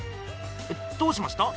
どうしました？